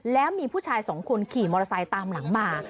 แล้วมีผู้ชายสองคนขี่มอเตอร์ไซค์ตามหลังมา